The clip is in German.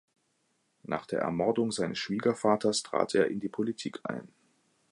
Nach der Ermordung seines Schwiegervaters trat er in die Politik ein.